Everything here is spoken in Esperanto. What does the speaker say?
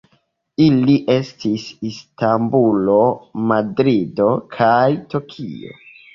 Ili estis Istanbulo, Madrido kaj Tokio.